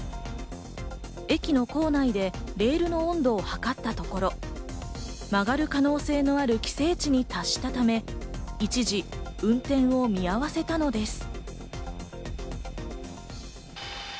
駅の構内でレールの温度を測ったところ、曲がる可能性のある規制値に達したため、一時運転を見合わせたのです。